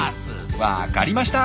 分かりました！